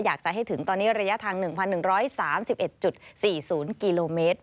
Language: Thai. อยากจะให้ถึงตอนนี้ระยะทาง๑๑๓๑๔๐กิโลเมตร